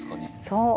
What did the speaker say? そう。